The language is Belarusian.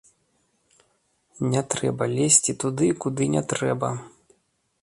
Не трэба лезці туды, куды не трэба!